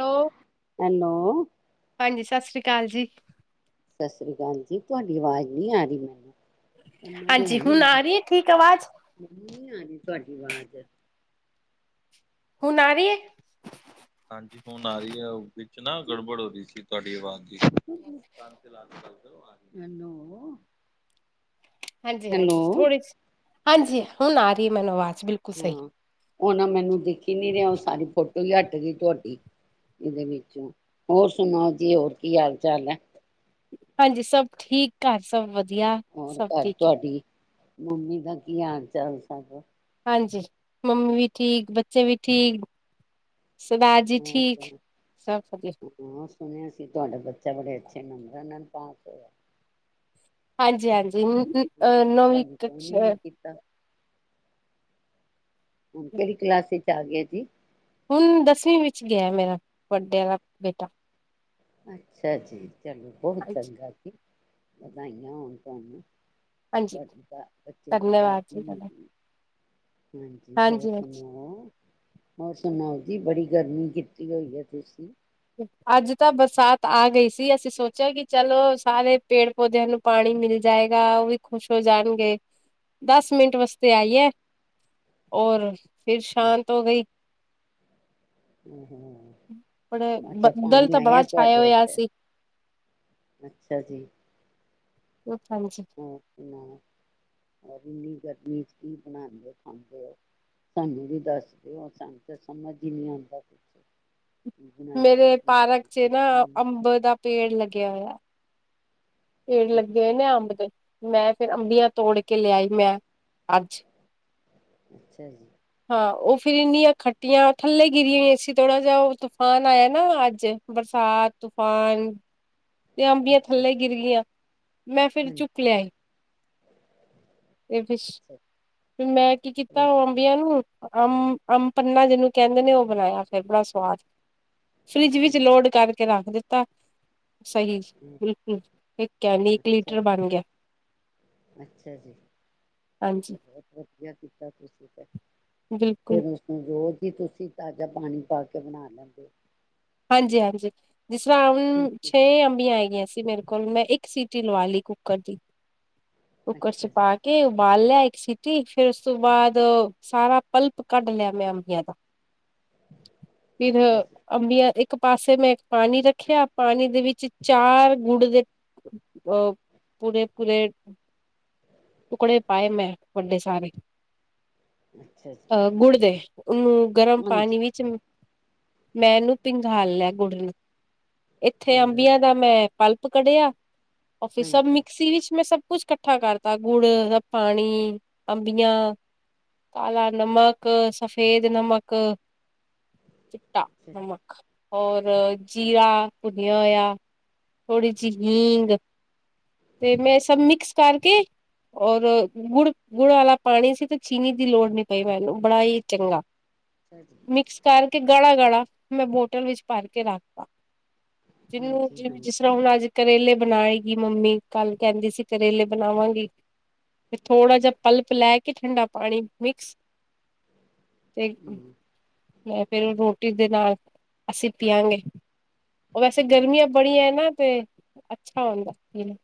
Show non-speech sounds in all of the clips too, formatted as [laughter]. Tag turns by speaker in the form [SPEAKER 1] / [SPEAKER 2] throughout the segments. [SPEAKER 1] Hello
[SPEAKER 2] hello,
[SPEAKER 1] ਹਾਂਜੀ ਸਤਿ ਸ਼੍ਰੀ ਕਾਲ ਜੀ।
[SPEAKER 2] ਸਤਿ ਸ੍ਰੀ ਅਕਾਲ ਜੀ ਤੁਹਾਡੀ ਆਵਾਜ਼ ਨੀ ਆ ਰਹੀ ਮੈਨੂੰ।
[SPEAKER 1] ਹਾਂਜੀ ਹੁਣ ਆ ਰਹੀ ਹੈ ਠੀਕ ਆਵਾਜ਼
[SPEAKER 2] [unintelligible] ਤੁਹਾਡੀ ਆਵਾਜ਼
[SPEAKER 1] ਹੁਨ ਆ ਰਹੀ ਏ।
[SPEAKER 2] ਹਾਂਜੀ ਹੁਣ ਆ ਰਹੀ ਹੈ, ਵਿੱਚ ਨਾ ਗੜਬੜ ਹੋ ਰਹੀ ਸੀ ਤੁਹਾਡੀ ਆਵਾਜ਼ [unintelligible] ਇਹਨੂੰ
[SPEAKER 1] ਹਾਂਜੀ-ਹਾਂਜੀ ਥੋੜੀ ਹਾਂਜੀ ਹੁਣ ਆ ਰਹੀ ਹੈ ਮੈਨ ਆਵਾਜ ਬਿਲ
[SPEAKER 2] ਹਾਂ। ਉਹ ਨਾ ਮੈਨੂੰ ਦੀ [unintelligible] ਤੁਹਾਡੀ ਇਹਦੇ ਵਿੱਚੋਂ ਹੋਰ ਸੁਣਾਉਣ ਜੀ ਹੋਰ ਕੀ ਹਾਲ ਚਾਲ ਐ
[SPEAKER 1] ਹਾਂਜੀ, ਸਭ ਠੀਕ ਘਰ ਸਭ ਵ
[SPEAKER 2] ਹੋਰ ਘਰ ਤੁਹਾਡੀ ਮੰਮੀ ਦਾ ਕੀ ਹਾਲ ਚਾਲ ਸਭ।
[SPEAKER 1] ਹਾਂਜੀ, ਮੰਮੀ ਵੀ ਠੀਕ ਬੱਚੇ ਵੀ ਠੀਕ। ਸਰਦਾਰ
[SPEAKER 2] [inaudible]
[SPEAKER 1] ਜੀ
[SPEAKER 2] ਹਾਂ,
[SPEAKER 1] ਠੀਕ ਸਭ ਵਧੀਆ
[SPEAKER 2] ਸੁਣਿਆ ਸੀ ਤੁਹਾਡੇ ਬੱਚਾ ਬੜੇ ਅੱਛੇ ਨੇ। [inaudible]
[SPEAKER 1] ਹਾਂਜੀ ਹਾਂਜੀ। ਜ ਅਹ ਨੋਵ
[SPEAKER 2] ਸਾਨੂੰ ਫੋਨ
[SPEAKER 1] ਕਕਸ
[SPEAKER 2] ਹੀ ਨਹੀਂ ਕੀਤਾ ਕਿਹੜੀ ਕਲਾਸ ਵਿੱਚ। ਆ ਗਏ ਜੀ।
[SPEAKER 1] ਹੁਣ ਦਸਵੀਂ ਵਿੱਚ ਗਿਆ ਮੇਰਾ ਵੱਡੇ ਆਲਾ ਬੇਟਾ।
[SPEAKER 2] ਅੱਛਾ ਜੀ। ਚਲੋ ਬਹੁਤ
[SPEAKER 1] ਹਾਂਜੀ
[SPEAKER 2] ਚੰਗਾ ਜੀ। ਵਧਾਈਆਂ ਹੋਣ ਤੁਹਾਨੂੰ।
[SPEAKER 1] ਹਾਂਜੀ
[SPEAKER 2] ਤੁਹਾਡੀ ਤਾਂ ਬੱਚੇ ਦੀ
[SPEAKER 1] ਧੰਨਵਾਦ
[SPEAKER 2] ਦਾਦੀ
[SPEAKER 1] ਜੀ
[SPEAKER 2] ਨੂੰ
[SPEAKER 1] ਤੁਹਾਡਾ
[SPEAKER 2] ਵੀ। ਹਾਂਜੀ, ਹੋਰ ਸੁਣੋ ਹੋਰ ਸੁਣਓ ਜੀ ਬੜੀ ਗਰਮੀ ਕੀਤੀ ਹੋਈ ਐ ਤੁਸੀਂ।
[SPEAKER 1] ਅੱਜ ਤਾਂ ਬਰਸਾਤ ਆ ਗਈ ਸੀ ਅਸੀਂ ਸੋਚਿਆ ਕਿ ਚੱਲ ਸਾਰੇ ਪੇੜ ਪੌਦਿਆਂ ਨੂੰ ਪਾਣੀ ਮਿਲ ਜਾਏਗਾ ਉਹ ਵੀ ਖੁਸ਼ ਹੋ ਜਾਣਗੇ ਦਸ ਮਿੰਟ ਵਾਸਤੇ ਆਈ ਐ ਔਰ। ਫਿਰ ਸ਼ਾਂਤ ਹੋ ਗਈ।
[SPEAKER 2] ਹੂੰ ਹੂੰ।
[SPEAKER 1] ਬੜੇ
[SPEAKER 2] ਅੱਛਾ,
[SPEAKER 1] ਬੱਦਲ
[SPEAKER 2] ਪਾਣੀ
[SPEAKER 1] ਤਾਂ ਬੜਾ
[SPEAKER 2] ਆਇਆ
[SPEAKER 1] ਛਾਇਆ
[SPEAKER 2] ਤੁਹਾਡੇ
[SPEAKER 1] ਹੋਇਆ
[SPEAKER 2] ਇਧਰ
[SPEAKER 1] ਸੀ
[SPEAKER 2] ਅੱਛਾ ਜੀ।
[SPEAKER 1] ਹਾਂਜੀ
[SPEAKER 2] ਹੂੰ ਹੂੰ। [inaudible] ਇੰਨੀ ਗਰਮੀ ਚ ਕੀ ਬਣਾਉਂਦੇ ਖਾਂਦੇ ਹੋ ਸਾਨੂੰ ਵੀ ਦੱਸਦੇ ਹੋ ਸਾਨੂੰ ਤਾਂ ਸਮਝ ਹੀ ਨਹੀਂ ਆਉਂਦਾ ਕੁਛ। ਕੀ ਬਣਾਈਏ
[SPEAKER 1] ਮੇਰੇ
[SPEAKER 2] ਕੀ
[SPEAKER 1] ਪਾਰਕ ਚ ਨਾ
[SPEAKER 2] ਕਰੀਏ
[SPEAKER 1] ਅੰਬ ਦਾ ਪੇੜ ਲੱਗਿਆ ਹੋਇਆ। ਪੇੜ ਲੱਗੇ
[SPEAKER 2] ਅੱਛਾ
[SPEAKER 1] ਹੋਏ ਨੇ ਅੰਬ ਦੇ ਮੈਂ ਫਿਰ ਅੰਬੀਆਂ ਤੋੜ ਕੇ ਲਿਆਈ ਮੈਂ ਅੱਜ
[SPEAKER 2] ਅੱਛਾ ਜੀ
[SPEAKER 1] ਹਾਂ ਉਹ। ਫਿਰ ਇੰਨੀਆਂ ਖੱਟੀਆਂ ਥੱਲੇ ਗਿਰੀਆਂ ਹੋਈਆਂ ਸੀ ਥੋੜਾ ਜਿਹਾ ਉਹ ਤੂਫਾਨ ਆਇਆ ਨਾ ਅੱਜ ਬਰਸਾਤ ਤੂਫਾਨ। ਤੇ ਅੰਬੀਆਂ
[SPEAKER 2] ਅੱਛਾ
[SPEAKER 1] ਥੱਲੇ ਗਿਰ ਗਈਆਂ। ਮੈਂ ਫਿਰ
[SPEAKER 2] ਹਾਂਜੀ
[SPEAKER 1] ਚੁੱਕ ਲਿਆਈ ਇਹ ਵਿਸ਼
[SPEAKER 2] ਅੱਛਾ
[SPEAKER 1] ਮੈਂ ਕੀ ਕੀਤਾ
[SPEAKER 2] ਅੱਛਾ ਜੀ
[SPEAKER 1] ਅੰਬੀਆਂ ਨੂੰ ਅਬ ਅੰਬ ਪੰਨਾ ਜਿਹਨੂੰ ਕਹਿੰਦੇ ਨੇ ਉਹ ਬਣਾਇਆ ਫਿਰ ਬੜਾ ਸਵਾਦ ਫਰਿੱਜ ਵਿੱਚ ਲੋਡ ਕਰਕੇ ਰੱਖ ਦਿੱਤ [unintelligible] ਸਹੀ ਬਿਲਕੁਲ ਇੱਕ ਕੈਨੀ ਇੱਕ
[SPEAKER 2] ਅੱਛਾ
[SPEAKER 1] ਲੀਟਰ ਬਣ ਗਿਆ
[SPEAKER 2] ਅੱਛਾ ਜੀ
[SPEAKER 1] ਹਾਂਜੀ
[SPEAKER 2] ਆ ਕੀਤਾ ਤੁਸੀਂ ਤੇ
[SPEAKER 1] ਬਿਲਕੁਲ
[SPEAKER 2] ਫੇਰ ਉਸਨੂੰ ਜੋ ਕੀ ਤੁਸੀਂ ਤਾਜ਼ਾ ਪਾਣੀ ਪਾ ਕੇ ਬਣਾ ਲੈਂਦੇ ਹੋ।
[SPEAKER 1] ਹਾਂਜੀ-ਹਾਂਜੀ ਜਿਸ ਤਰ੍ਹਾਂ ਹੁਣ
[SPEAKER 2] ਠੀਕ ਹੈ,
[SPEAKER 1] ਛੇ ਅੰਬੀਆ ਹੇਗੀਆਂ ਸੀ ਮੇਰੇ ਮੈਂ ਇੱਕ ਸੀਟੀ ਲਵਾਂ ਲੀ ਕੁੱਕਰ ਦੀ। ਕੁਕਰ ਚ
[SPEAKER 2] ਅੱਛਾ ਜੀ
[SPEAKER 1] ਪਾ ਕੇ ਪਾਲ ਲਿਆ ਇੱਕ ਸੀਟੀ ਫਿਰ ਉਸ ਤੋਂ ਬਾਅਦ ਸਾਰਾ ਪਲਪ ਕੱਢ ਲਿਆ ਮੈਂ ਅੰਬੀਆਂ ਦਾ। ਫਿਰ
[SPEAKER 2] ਅੱਛਾ ਜੀ
[SPEAKER 1] ਅੰਬੀਆਂ ਇੱਕ ਪਾਸੇ ਮੈਂ ਇੱਕ ਪਾਣੀ ਰੱਖਿਆ ਪਾਣੀ ਦੇ ਵਿੱਚ ਚਾਰ ਗੁੜ ਦੇ ਉਹ ਪੂਰੇ [unintelligible] ਟੁਕੜੇ ਪਾਏ ਮੈਂ ਵੱਡੇ ਸਾਰੇ।
[SPEAKER 2] ਅੱਛਾ ਜੀ
[SPEAKER 1] ਅਹ ਗੁੜ ਦੇ। ਉਹਨੂੰ ਗਰਮ
[SPEAKER 2] ਹਾਂਜੀ
[SPEAKER 1] ਪਾਣੀ ਵਿੱਚ ਮੈਂਨੂੰ ਪਿੰਗਾਲ ਲਿਆ ਗੁੜ ਨੂੰ ਇੱਥੇ
[SPEAKER 2] ਚੰਗਾ
[SPEAKER 1] ਅੰਬੀਆਂ
[SPEAKER 2] ਜੀ
[SPEAKER 1] ਦਾ ਮੈਂ ਪਲਪ ਪਕੜਿਆ ਫਿਰ ਸਭ
[SPEAKER 2] ਹਾਂਜੀ
[SPEAKER 1] ਮਿਕ੍ਸੀ ਵਿੱਚ ਮੈਂ ਸਭ ਸ ਕੁਛ ਇਕੱਠਾ ਕਰਤਾ ਗੁੜ ਦਾ ਪਾਣੀ, ਅੰਬੀਆਂ, ਕਾਲਾ ਨਮਕ, ਸਫੇਦ ਨਮਕ। ਚਿੱਟਾ
[SPEAKER 2] ਅੱਛਾ ਜੀ
[SPEAKER 1] ਨਮਕ। ਹੋਰ ਅ
[SPEAKER 2] ਅੱਛਾ
[SPEAKER 1] ਜੀਰਾ [unintelligible] ਥੋੜੀ ਜੀ
[SPEAKER 2] ਅੱਛਾ
[SPEAKER 1] ਹੀਗ ਤੇ ਮੈਂ ਸਭ ਮਿਕਸ ਕਰਕੇ ਔਰ ਗੁੜ ਗੁੜ ਵਾਲਾ ਪਾਣੀ ਸੀ ਤੇ ਚੀਨੀ ਦੀ ਲੋੜ ਨਹੀਂ ਪਈ ਮੈਨੂੰ ਬੜਾ ਹੀ ਚੰਗਾ
[SPEAKER 2] ਜੀ
[SPEAKER 1] ਮਿਕਸ ਕਰਕੇ ਗਾੜਾ- ਗਾੜਾ [inaudible] ਮੈਂ ਬੋਤਲ ਵਿੱਚ ਭਰ ਕੇ ਰੱਖ ਤਾ। ਜਿਹਨੂੰ
[SPEAKER 2] ਹਾਂਜੀ
[SPEAKER 1] ਜਿਵੇਂ
[SPEAKER 2] ਹਾਂਜੀ
[SPEAKER 1] ਜਿਸ ਤਰ੍ਹਾਂ ਹੁਣ ਅੱਜ ਕਰੇਲੇ ਬਣਾਏਗੀ ਮੰਮੀ ਕੱਲ ਕਹਿੰਦੀ ਸੀ ਕਰੇਲੇ ਬਣਾਵਾਂਗੀ ਤੇ ਥੋੜ੍ਹਾ ਜਿਹਾ ਪਲਪ ਲੈ ਕੇ ਠੰਡਾ ਪਾਣੀ ਮਿਕਸ ਤੇ ਮੈਂ ਫੇਰ ਰੋਟੀ ਟੀੰਡੇ ਨਾਲ ਅਸੀਂ ਪਿਆਂਗੇ ਉਹ ਵੈਸੇ ਗਰਮੀਆਂ ਬੜੀਆਂ ਹੈ ਨਾ ਤੇ ਅੱਛਾ ਹੁੰਦਾ ਪੀਣਾ।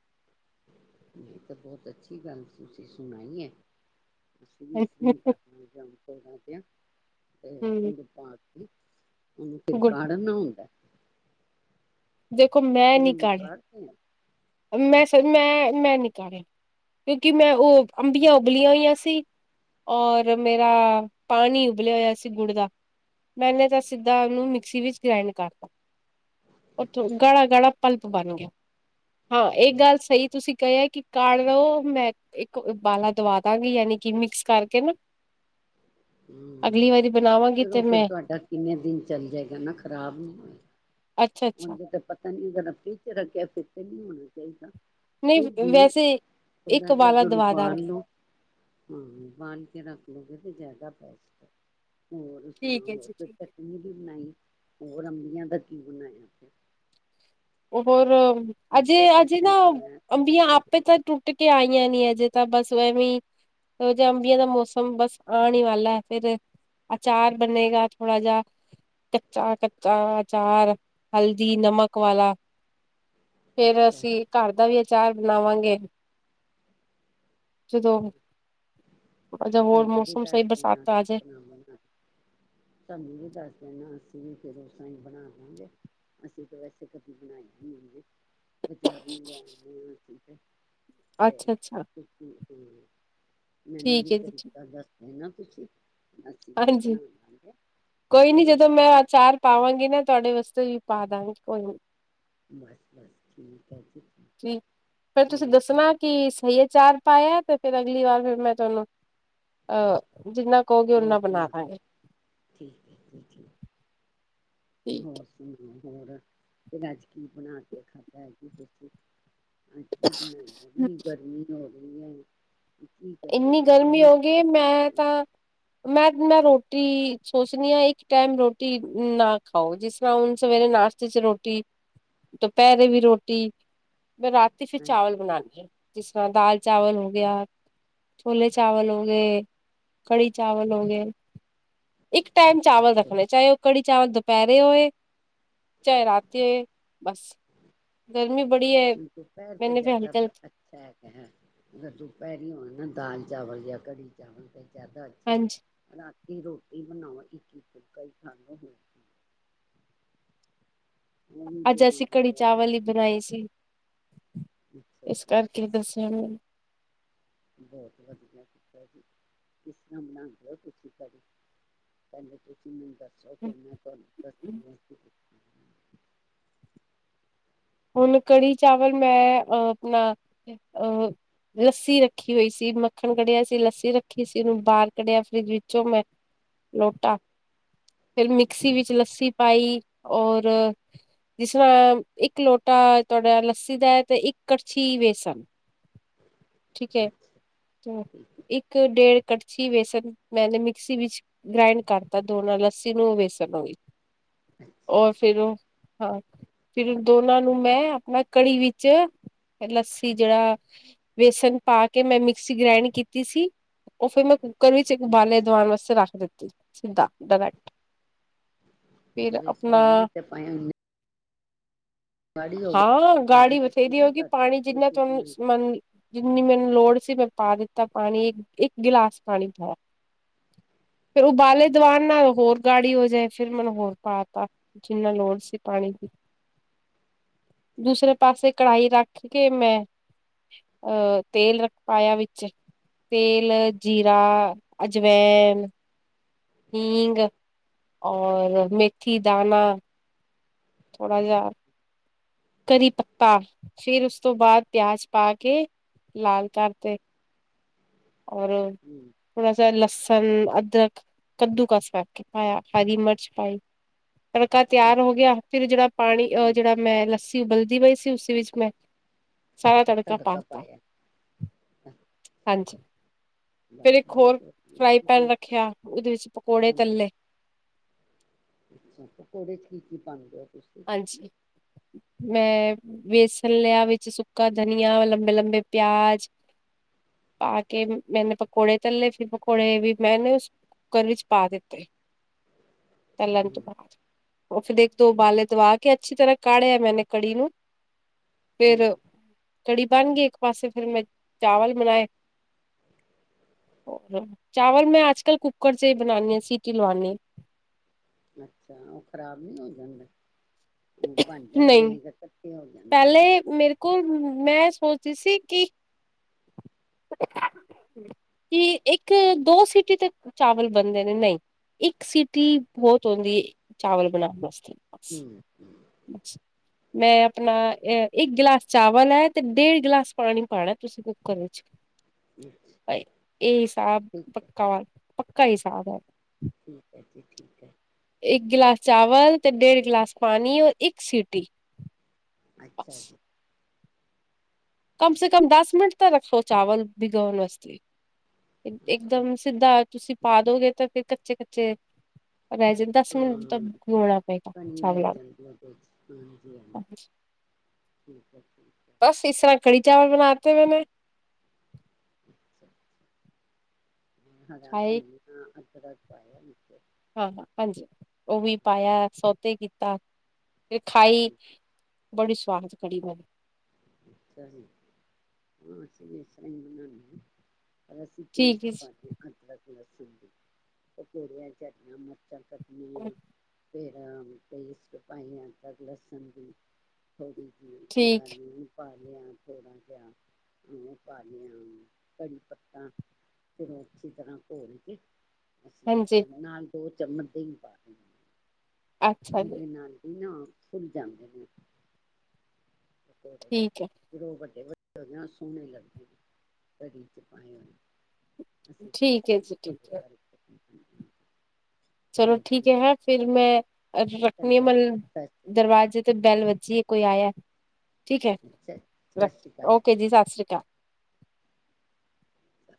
[SPEAKER 2] ਨਹੀਂ ਤਾਂ ਬਹੁਤ ਅੱਛੀ ਗੱਲ ਤੁਸੀਂ ਸੁਣਾਈ ਏ। [unintelligible] [inaudible]
[SPEAKER 1] ਹਮ
[SPEAKER 2] ਗੁੜ ਪਾ [inaudible] ਉਹਨੂੰ ਫਿਰ ਕਾੜਨਾ ਹੁੰਦਾ।
[SPEAKER 1] ਦੇਖੋ ਮੈਂ ਨੀ
[SPEAKER 2] ਨੂੰ ਕਰਦੇ ਆ
[SPEAKER 1] ਕਾੜਿਆ। ਮੈਂ ਸ
[SPEAKER 2] ਅੱਛਾ
[SPEAKER 1] ਮੈਂ -ਮੈਂ ਨਹੀ। ਕਿਉਂਕਿ ਮੈਂ ਉਹ ਅੰਬੀਆਂ ਉਬਲੀਆਂ ਹੋਈਆਂ ਸੀ ਔਰ ਮੇਰਾ ਪਾਣੀ ਉਬਲਿਆ ਹੋਇਆ ਸੀ ਗੁੜ ਦਾ ਮੈਨੇ ਤਾਂ ਸਿੱਧਾ ਉਹਨੂੰ ਮਿਕਸੀ ਵਿੱਚ ਗ੍ਰੈਂਡ ਕਰਤਾ। ਤੇ ਹੁਣ
[SPEAKER 2] ਅੱਛਾ
[SPEAKER 1] ਗਾੜਾ ਗਾੜਾ ਪਲਪ [inaudible] ਇਹ
[SPEAKER 2] ਬਹੁਤ
[SPEAKER 1] ਗੱਲ ਸਹੀ ਤੁਸੀਂ ਕ ਕਿ ਕਾੜ ਲੋ ਮੈਂ ਇੱਕ ਉਬਾਲਾ ਦਵਾ ਦਾਂਗੀ ਯਾਨੀ ਕਿ ਮਿਕਸ ਕਰਕੇ ਨਾ
[SPEAKER 2] ਹੂੰ
[SPEAKER 1] ਅਗਲੀ ਵਾਰੀ ਬਣਾਵਾਂਗੀ
[SPEAKER 2] ਫਿਰ ਉਹ
[SPEAKER 1] ਤੇ
[SPEAKER 2] ਫਿਰ
[SPEAKER 1] ਮੈਂ
[SPEAKER 2] ਤੁਹਾਡਾ ਕਿੰਨੇ ਦਿਨ ਚੱਲ ਜਾਏਗਾ ਨਾ ਖ਼ਰਾਬ ਨਹੀ ਹੋਗਾ।
[SPEAKER 1] ਅੱਛਾ ਅੱਛਾ
[SPEAKER 2] ਉਂਜ ਤੇ ਪਤਾ ਨੀ ਅਗਰ ਫੀਰਜ 'ਚ ਰੱਖਿਆ ਫਿਰ ਤੇ ਨਹੀਂ ਹੋਣਾ ਚਾਹੀਦਾ।
[SPEAKER 1] ਨਹੀਂ
[SPEAKER 2] ਫਿਰ ਵੀ
[SPEAKER 1] ਵੈਸੇ ਇੱਕ
[SPEAKER 2] ਥੋੜਾ ਜਿਹਾ
[SPEAKER 1] ਉਬਾਲਾ
[SPEAKER 2] ਅਗਰ
[SPEAKER 1] ਦਵਾ
[SPEAKER 2] ਉਬਾਲ
[SPEAKER 1] ਦਾਂਗੀ
[SPEAKER 2] ਲਓ ਹਾਂ ਉਬਾਲ ਕੇ ਰੱਖ ਲਓਗੇ ਤੇ ਜ਼ਿਆਦਾ ਬੈਸਟ ਹੈ ਹੋਰ
[SPEAKER 1] ਠੀਕ
[SPEAKER 2] ਸੁਣਾਓ
[SPEAKER 1] ਹੈ
[SPEAKER 2] ਹੋਰ
[SPEAKER 1] ਜੀ
[SPEAKER 2] ਫਿਰ
[SPEAKER 1] ਠੀਕ ਹੈ
[SPEAKER 2] ਚਟਨੀ ਵੀ ਬਣਾਈ। ਹੋਰ ਅੰਬੀਆਦਾ ਕੀ ਬਣਾਇਆ। [inaudible]
[SPEAKER 1] ਹੋਰ ਅਜੇ
[SPEAKER 2] ਮਿੱਠੀ
[SPEAKER 1] ਅਜੇ ਨਾ
[SPEAKER 2] ਚਟਨੀ ਬਣਾਇਆ ਹਰੀ
[SPEAKER 1] ਅੰਬੀਆਂ ਆਪੇ
[SPEAKER 2] ਚਟਨੀ
[SPEAKER 1] ਤਾਂ ਟੁੱਟ ਕੇ ਆਈਆਂ ਨੀ ਅਜੇ ਬਸ ਐਵੇਂ ਇਹੋ ਜਿਹਾ ਅੰਬੀਆਂ ਦਾ ਮੌਸਮ ਬਸ ਆਉਣ ਹੀ ਵਾਲਾ ਹੈ ਫੇਰ ਅਚਾਰ ਬਣੇਗਾ ਥੋੜਾ ਜਿਹਾ ਕੱਚਾ ਕੱਚਾ ਅਚਾਰ ਹਲਦੀ ਨਮਕ ਵਾਲਾ। ਫੇਰ
[SPEAKER 2] ਅੱਛਾ
[SPEAKER 1] ਅਸੀਂ ਘਰ ਦਾ ਵੀ ਚਾਰ ਬਣਾਵਾਂਗੇ ਜਦੋਂ ਜਾਂ ਹੋਰ
[SPEAKER 2] ਸਾਨੂੰ ਵੀ
[SPEAKER 1] ਮੌਸਮ
[SPEAKER 2] ਦੱਸ
[SPEAKER 1] ਸਹੀ
[SPEAKER 2] ਦੇਣਾ
[SPEAKER 1] ਬਰਸਾਤ ਆ ਜਾਏ
[SPEAKER 2] ਕਿਸਤਰਾਂ ਬ ਸਾਨੂੰ ਵੀ ਦੱਸ ਦੇਣਾ ਅੱਸੀ ਫਿਰ ਉਸ ਤਰ੍ਹਾਂ ਹੀ ਬਣਾ ਲਾਂਗੇ ਅਸੀਂ ਤਾਂ ਵੈਸੇ ਕਦੀ ਬਣਾਈ ਹੀ ਹਗੇ। ਬਜ਼ਾਰੋ ਲੈਣ ਆ ਅਸੀਂ ਤੇ
[SPEAKER 1] ਅੱਛਾ ਅੱਛਾ
[SPEAKER 2] [unintelligible] [unintelligible] ਦੱਸ
[SPEAKER 1] [inaudible]
[SPEAKER 2] [unintelligible] ਵੀ
[SPEAKER 1] ਹਾਂਜੀ,
[SPEAKER 2] ਬਣਾ ਲਾਂਗੇ
[SPEAKER 1] ਕੋਈ ਨੀ,
[SPEAKER 2] ਹਨਾ।
[SPEAKER 1] ਜਦੋਂ ਮੈਂ ਅਚਾਰ ਪਾਵਾਂਗੀ ਨਾ ਤੁਹਾਡੇ ਵਾਸ [unintelligible] ਪਾਦਾਂਗੀ ਕੋਈ ਨਹੀਂ।
[SPEAKER 2] ਬਸ-ਬਸ ਠੀਕ ਹੈ ਜੀ,
[SPEAKER 1] ਠੀਕ ਫੇਰ ਤੁਸੀਂ
[SPEAKER 2] ਹੋਰ ਕੀ
[SPEAKER 1] ਦੱਸਣਾ ਕਿ ਸਹੀ ਅਚਾਰ ਪਾਇਆ ਤੇ ਫਿਰ ਅਗਲੀ ਵਾਰ ਫਿਰ ਮੈਂ ਤੁਹਾਨੂੰ, ਅਹ ਜਿੰਨਾ ਕੋਹਗੇ
[SPEAKER 2] ਹੋਰ
[SPEAKER 1] ਉਹਨਾ
[SPEAKER 2] ਸੁਣਾ ਠੀਕ ਹੈ ਜੀ ਠੀਕ
[SPEAKER 1] [unintelligible]
[SPEAKER 2] ਹੋਰ ਸੁਣਾਓ? ਹੋਰ ਤੇ ਫਿਰ ਅੱਜ ਕੀ ਬਣਾ ਕੇ ਖਾਧਾ ਹੈ ਕਿ ਤੁਸੀਂ? ਅੱਜ ਕੀ ਬਣਾਇਆ?
[SPEAKER 1] ਹੈ।
[SPEAKER 2] ਇੰਨੀ ਗਰਮੀ ਹੋ ਗੀ
[SPEAKER 1] ਇੰਨੀ ਗਰਮੀ
[SPEAKER 2] ਸਮਝ
[SPEAKER 1] ਹੋ ਗਈ
[SPEAKER 2] ਨੀ ਆ
[SPEAKER 1] ਮੈਂ
[SPEAKER 2] ਰਹੀ
[SPEAKER 1] ਤਾਂ, ਮੈਂ ਮੈਂ ਰੋਟੀ ਰੋਟੀ ਸੋਚਣੀ ਆ ਇੱਕ ਟਾਈਮ ਰੋਟੀ ਨਾ ਖਾਓ, ਜਿਸ ਤਰ੍ਹਾਂ ਹੁਣ ਸਵੇਰੇ ਨਾਸ਼ਤੇ ਚ ਰੋਟੀ, ਦੁਪਹਿਰੇ ਵੀ ਰੋਟੀ ਮੈਂ ਰਾਤੀ ਫਿਰ
[SPEAKER 2] ਹਾਂਜੀ
[SPEAKER 1] ਚਾਵਲ ਬਨਾਨੀ ਆ। ਜਿਸ ਤਰ੍ਹਾਂ ਦਾਲ ਚਾਵਲ ਹੋ ਗਿਆ ਛੋਲੇ ਚਾਵਲ ਹੋ ਗਏ, ਕੜੀ ਚਾਵਲ ਹੋ ਗਏ। ਇੱਕ ਟਾਈਮ ਚਾਵਲ
[SPEAKER 2] ਅੱਛਾ
[SPEAKER 1] ਰੱਖਣੇ, ਚਾਹੇ ਉਹ ਕੜੀ ਚਾਹੇ ਉਹ ਦੁਪਹਿਰੇ ਹੋਏ, ਚਾਹੇ ਰਾਤੀ ਹੋਏ, ਬਸ ਗਰ
[SPEAKER 2] ਦੁਪਹਿਰ ਤੇ ਜ਼ਿਆਦਾ ਅੱਛਾ ਹੈਗੇ ਅਗਰ ਦੁਪਹਿਰੀ ਹੋ ਦਾਲ ਚਾਵਲ ਯਾ ਕੜੀ ਚਾਵਲ ਤੇ ਜਿਆਦਾ ਅੱਛਾ
[SPEAKER 1] ਹਾਂਜੀ
[SPEAKER 2] ਹੈ। ਰਾਤ ਕੀ ਰੋਟੀ ਬਣਾਉ ਇੱਕ-ਇੱਕ ਫੁਲਕਾ ਈ ਖਾ ਲਓ।
[SPEAKER 1] ਅੱਜ ਅਸੀਂ ਕੜੀ
[SPEAKER 2] ਹੈ।
[SPEAKER 1] ਚਾਵਲ ਹੀ ਬਣਾਏ ਸੀ।
[SPEAKER 2] ਅੱਛਾ
[SPEAKER 1] ਇਸ
[SPEAKER 2] ਜੀ
[SPEAKER 1] ਕਰਕੇ ਦੱਸਿਆ ਮੈ।
[SPEAKER 2] ਬਹੁਤ ਵਧੀਆ ਕੀਤਾ ਜੀ, ਕਿਸ ਤਰ੍ਹਾਂ ਬਣਾਉਂਦੇ ਹੋ ਤੁਸੀਂ ਕੜੀ? ਪਹਿਲੇ ਤੁਸੀਂ ਮੈਨੂੰ
[SPEAKER 1] ਮੈਨੂੰ
[SPEAKER 2] ਦੱ [inaudible]
[SPEAKER 1] ਹੁਣ ਕੜੀ ਚਾਵਲ ਮੈਂ, ਅਹ, ਆਪਣਾ ਅਹ, ਲੱਸੀ ਰੱਖੀ ਹੋਈ ਸੀ ਮੱਖਣ ਕੱਢਿਆ ਸੀ, ਲੱਸੀ ਰੱਖੀ ਸੀ ਹੁਨ ਬਾਹਰ ਕੱਢਿਆ ਫਰਿਜ ਵਿੱਚੋਂ ਮੈਂ, ਲੋਟਾ। ਫਿਰ ਮਿਕਸੀ ਵਿੱਚ ਲੱਸੀ ਪਾਈ ਔਰ, ਜਿਸ ਤਰ੍ਹਾਂ ਇੱਕ ਲੋ [unintelligible] ਤੁਹਾਡਾ ਲੱਸੀ ਦਾ ਹੈ ਤੇ ਇੱਕ ਕੜਛੀ ਵੇਸਣ। ਠੀਕ ਹੈ,
[SPEAKER 2] ਅੱਛਾ
[SPEAKER 1] ਤੋਂ
[SPEAKER 2] ਠੀਕ
[SPEAKER 1] ਇੱਕ ਡੇਢ ਕੜਛੀ ਵੇਸਣ ਮੈ ਤੇ ਮਿਕਸੀ ਵਿੱਚ ਗ੍ਰਾਇੰਡ ਕਰਤਾ ਦੋ ਨਾਲ ਲੱਸੀ ਨੂੰ ਵੇਸਣ ਨੂੰ ਵੀ।
[SPEAKER 2] ਹੈ ਅੱਛਾ
[SPEAKER 1] ਔਰ ਫਿਰ ੳ ਹਾਂ, ਫਿਰ ਦੋ ਉਹਨਾਂ ਨੂੰ ਮੈਂ ਆਪਣਾ ਕੜੀ ਵਿੱਚ, ਲੱਸੀ ਜਿਹੜਾ ਵੇਸਣ ਪਾ ਕੇ ਮੈਂ ਮਿਕਸੀ ਗ੍ਰੈਂਡ ਕੀਤੀ ਸੀ ਉਹ ਫਿਰ ਮੈਂ ਕੁੱਕਰ ਵਿੱਚ
[SPEAKER 2] ਜੀ
[SPEAKER 1] ਉਬਾਲੇ
[SPEAKER 2] ਅੱਛਾ
[SPEAKER 1] ਦਵਾਣ ਵਾਸਤੇ ਰੱਖ ਦਿੱਤੀ। ਸਿੱਧਾ
[SPEAKER 2] ਇਹਦੇ
[SPEAKER 1] ਫਿਰ
[SPEAKER 2] ਵਿੱਚ
[SPEAKER 1] ਆਪਣਾ
[SPEAKER 2] ਪਾਣੀ ਵੀ ਤੇ ਪਾਇਆ ਇੰਨੀ ਗਾੜੀ ਹੋ
[SPEAKER 1] ਹਾਂ
[SPEAKER 2] ਗਈ ਪਾਣੀ
[SPEAKER 1] ਗਾੜੀ
[SPEAKER 2] ਤਾਂ
[SPEAKER 1] ਬਥੇਰੀ
[SPEAKER 2] ਪਏਗਾ
[SPEAKER 1] ਹੋਗੀ,
[SPEAKER 2] ਘੱਟ ਤੋਂ
[SPEAKER 1] ਪਾਣੀ ਜਿੰਨਾ
[SPEAKER 2] ਘੱਟ ਦੋ
[SPEAKER 1] ਤੁਹਾਨੂੰ
[SPEAKER 2] ਤਿੰਨ
[SPEAKER 1] ਮਨ ਜਿੰਨੀ ਮੈਨੂੰ ਲੋੜ ਸੀ ਮੈਂ ਪਾ ਦਿੱਤਾ ਪਾਣੀ ਇੱਕ-ਇੱਕ ਗਿਲਾਸ ਪਾਣੀ ਪਾਇਆ। ਫਿਰ ਉਬਾਲੇ ਦੀਵਾਨ ਨਾਲ ਹੋਰ ਗਾੜੀ ਹੋ ਜਾਏ ਫਿਰ ਮੈਂ ਹੋਰ ਪਾ ਤਾ, ਜਿੰਨਾ ਲੋੜ ਸੀ ਪਾਣੀ ਦੀ। ਦੂਸਰੇ ਪਾਸੇ ਕੜਾਈ ਰੱਖ ਠੀਕ ਏ, ਮੈਂ ਅਹ ਤੇਲ ਰੱਖ ਪਾਇਆ ਵਿੱਚ ਤੇਲ, ਜੀਰਾ, ਅਜਵੈਨ ਹੀਂਗ ਔਰ ਮੇੱਥੀ-ਦਾਣਾ ਥੋੜ੍ਹਾ ਜਿਹਾ, ਕੜੀ ਪੱਤਾ ਫਿਰ ਉਸ ਤੋਂ ਬਾਅਦ ਪਿਆਜ ਪਾ ਕੇ ਲਾਲ ਕਰਤੇ। ਔਰ ਥੋੜਾ ਜੇ ਲਸਣ, ਅਦਰਕ ਕੱਦੂ-ਕਸ ਕਰਕੇ ਪਾਇਆ, ਹਰੀ ਮਿਰਚ ਪਾਈ, ਤੜਕਾ ਤਿਆਰ
[SPEAKER 2] ਹੂੰ
[SPEAKER 1] ਹੋ ਗਿਆ, ਫਿਰ ਜਿਹੜਾ ਪਾਣੀ ਅਹ ਜਿਹੜਾ ਮੈਂ ਲੱਸੀ ਉਬਲਦੀ ਪਈ ਸੀ ਉਸੇ ਵਿੱਚ ਮੈਂ ਸਾਰਾ ਤੜਕਾ ਪਾਤਾ, ਹਾਂਜੀ। ਫਿਰ
[SPEAKER 2] ਬਸ
[SPEAKER 1] ਇੱਕ ਹੋਰ
[SPEAKER 2] ਬਹੁਤ
[SPEAKER 1] ਫਰਾਈ
[SPEAKER 2] ਵਧੀਆ [unintelligible]
[SPEAKER 1] ਪੈਨ ਰੱਖਿਆ ਉਹਦੇ ਵਿੱਚ ਪਕੌੜੇ
[SPEAKER 2] ਹਾਂਜੀ,
[SPEAKER 1] ਤੱਲੇ
[SPEAKER 2] ਅੱਛਾ ਪਕੌੜੇ ਠੀਕ ਕੀ ਪਾਉਂਦੇ ਔ।
[SPEAKER 1] ਹਾਂਜੀ, ਮੈਂ ਬੇਸਣ ਲਿਆ ਵਿੱਚ ਸੁੱਕਾ ਧਨੀਆ, ਲੰਬੇ-ਲੰਬੇ ਪਿਆਜ ਪਾ ਕੇ ਮੈਨੇ ਪਕੌੜੇ ਤੱਲੇ, ਫਿਰ ਪਕੌੜੇ ਵੀ ਮੈਂਨੇ ਉਸ ਕੁੱਕਰ ਵਿੱਚ ਪਾ ਦਿੱਤੇ। ਤੱਲਣ ਤੋਂ
[SPEAKER 2] ਹੂੰ
[SPEAKER 1] ਬਾਦ ਉਹ ਫਿਰ ਇਕ-ਦੋ ਉਬਾਲੇ ਦਵਾ ਕੇ ਅੱਛੀ ਤਰ੍ਹਾਂ ਕਾਢਿਆ ਮੈਂ ਕੜੀ ਨੂੰ ਫੇਰ ਕੜੀ ਬਣ ਗਈ ਇੱਕ ਪਾਸੇ ਫਿਰ ਮੈਂ ਚਾਵਲ ਬਣਾਏ, ਹੋਰ ਚਾਵਲ ਮੈਂ ਅੱਜ-ਕੱਲ ਕੁੱਕਰ ਚ ਹੀ ਬਣਾਉਣੀ ਆਂ ਸੀਟੀ ਲਵਾਣੀ ਹਾਂ।
[SPEAKER 2] ਅੱਛਾ, ਉਹ ਖ਼ਰਾਬ ਨੀ ਹੋ ਜਾਂਦੇ। ਬਣ ਜਾਂਦੇ
[SPEAKER 1] ਨਹੀਂ
[SPEAKER 2] ਆ ਜ ਇਕਠੇ ਹੋ ਜਾਂਦੇ ਨੇ
[SPEAKER 1] ਪਹਿਲੇ ਮੇਰੇ ਕੋਲ ਮੈਂ ਸੋਚਦੀ ਸੀ ਕਿ-ਕਿ ਇੱਕ ਦੋ ਸੀਟੀ ਤੇ ਚਾਵਲ ਬਣਦੇ ਨੇ, ਨਹੀਂ ਇੱਕ ਸੀਟੀ ਬਹੁਤ ਹੁੰਦੀ ਹੈ ਚਾਵਲ ਬਣਾਉਣ ਵਾਸਤੇ। ਬਸ
[SPEAKER 2] ਹੁੰ-ਹੁੰ
[SPEAKER 1] ਮੈਂ ਆਪਣਾ ਇੱਕ ਗਿਲਾਸ ਚਾਵਲ ਹੈ ਤੇ ਡੇਢ ਗਿਲਾਸ ਪਾਣੀ ਪਾਉਣਾ ਤੁਸੀਂ ਕੁੱਕਰ ਵਿੱਚ। ਭਏ ਇਸ ਸਾਬ
[SPEAKER 2] ਠੀਕ ਹੈ
[SPEAKER 1] ਪੱਕਾ-ਪੱਕਾ ਹਿਸਾਬ ਹੈ।
[SPEAKER 2] ਠੀਕ ਹੈ ਜੀ ਠੀਕ ਹੈ
[SPEAKER 1] ਇੱਕ ਗਲਾਸ ਚਾਵਲ ਅਤੇ ਡੇਢ ਗਲਾਸ ਪਾਣੀ ਔਰ ਇੱਕ ਸੀਟੀ।
[SPEAKER 2] ਅੱਛਾ
[SPEAKER 1] ਬਸ
[SPEAKER 2] ਜੀ।
[SPEAKER 1] ਕਮ ਸੇ ਕਮ ਦਸ ਮਿੰਟ ਤਾਂ ਰੱਖੋ ਚਾਵਲ ਭਿਗਾਉਣ ਵਾਸਤੇ,
[SPEAKER 2] ਅੱਛਾ
[SPEAKER 1] ਇੱਕਦਮ ਸਿੱਧਾ ਤੁਸੀਂ ਪਾ ਦੋਗੇ ਤਾਂ ਫਿਰ ਕੱਚੇ-ਕੱਚੇ
[SPEAKER 2] ਹਾਂ ਪਾਣੀ ਲੇ
[SPEAKER 1] ਚਾਵਲਾਂ
[SPEAKER 2] ਜਾਂਦੀ ਹੈ ਉਦੇ ਚ, ਹਾਂਜੀ-ਹਾਂਜੀ,
[SPEAKER 1] ਨੂੰ
[SPEAKER 2] ਠੀਕ ਹੈ-ਠੀਕ ਹੈ।
[SPEAKER 1] ਬਸ ਇਸ ਤਰ੍ਹਾਂ ਕੜੀ ਚਾਵਲ ਬਣਾਤੇ ਵੇ ਨੇ
[SPEAKER 2] ਅੱਛਾ ਹਰਾ
[SPEAKER 1] ਖਾਏ
[SPEAKER 2] ਤਨੀਆਂ [unintelligible]
[SPEAKER 1] ਹਾਂ ਹਾਂਜੀ ਉਹ ਵੀ ਪਾਇਆ ਸੋਤੇ ਕੀਤਾ ਲਿਖਾਈ ਬੜੀ ਸਵਾਦ ਕੜੀ ਬਣੀ।
[SPEAKER 2] ਅੱਛਾ ਜੀ, ਹਾਬ ਅੱਸੀ ਵੀ ਇਸਤਰਾਂ ਹੀ ਬਣਾਂਦੇ ਹਾਂ। ਅਸੀ ਪੇਸਟ
[SPEAKER 1] ਠੀਕ ਹੈ ਜੀ
[SPEAKER 2] ਪਾਦੇਂ ਹਾਂ ਅਦਰਕ [unintelligible] ਪਕੌੜਿਆ ਚ ਹਰਿਆ ਮਰਚਾ
[SPEAKER 1] ਹਮ।
[SPEAKER 2] ਫਿਰ ਪੇਸਟ ਪਾਈਆਂ ਅਦਰਕ ਲਸਣ ਦੀ ਥੋੜ੍ਹੀ
[SPEAKER 1] ਠੀਕ
[SPEAKER 2] [unintelligible] ਪਾਲਿਆ ਥੋੜ੍ਹਾ ਜਿਹਾ ਉਹ ਪਾਲਿਆ ਕੜੀ ਪੱਤਾ ਫਿਰੋ ਅੱਛੀ ਤਰ੍ਹਾਂ ਘੋਲ ਕੇ
[SPEAKER 1] ਹਾਂਜੀ
[SPEAKER 2] ਅੱਛਾ ਨਾਲ ਦੋ ਚਮਚ ਦੇਹੀ ਪਾ
[SPEAKER 1] ਅੱਛਾ ਜੀ
[SPEAKER 2] ਉਹਦੇ ਨਾਲ ਹੀ ਨਾ ਫੁੱਲ ਜਾਂਦੇ ਹਨ।
[SPEAKER 1] ਠੀਕ ਹੈ
[SPEAKER 2] ਦੋ ਵੱਡੇ ਸੋਹਣੇ ਲੱਗੇਦੇ ਨੇ ਘੜੀ ਚ ਪਾਏ ਹੋਏ।
[SPEAKER 1] ਠੀਕ ਹੈ ਜੀ ਠੀਕ ਹੈ
[SPEAKER 2] [unintelligible] ਹਮ।
[SPEAKER 1] ਚਲੋ ਠੀਕ ਹੈ ਫਿਰ ਮੈਂ
[SPEAKER 2] ਕੁਝ
[SPEAKER 1] ਰੱਖਣੀ
[SPEAKER 2] ਚੰਗਾ
[SPEAKER 1] ਮਲ
[SPEAKER 2] ਸਤਿ
[SPEAKER 1] ਦਰਵਾਜ਼ੇ ਤੇ ਬੈਲ ਵੱਜੀ ਏ। ਕੋਈ ਆਇਆ। ਠੀਕ ਹੈ
[SPEAKER 2] ਸ਼੍ਰੀ ਅਕਾਲ
[SPEAKER 1] ਰ
[SPEAKER 2] ਸਤਿ ਸ਼੍ਰੀ ਅਕਾਲ
[SPEAKER 1] ਓਕੇ ਜੀ ਸਤਿ ਸ਼੍ਰੀ ਅਕਾਲ।
[SPEAKER 2] ਜੀ